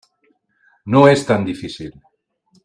No és tan difícil.